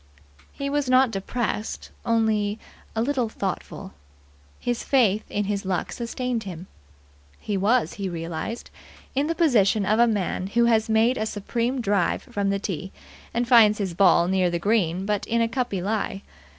He was not depressed only a little thoughtful. His faith in his luck sustained him. He was, he realized, in the position of a man who has made a supreme drive from the tee, and finds his ball near the green but in a cuppy lie.